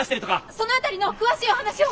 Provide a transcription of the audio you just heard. その辺りの詳しいお話を。